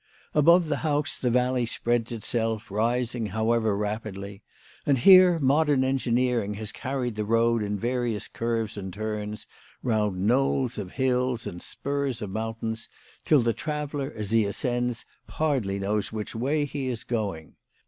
Above the house the valley spreads itself, rising, however, rapidly; and here modern engineering has carried the road in various curves and turns round knolls of hills and spurs of mountains, till the traveller as he ascends hardly knows which way he is going.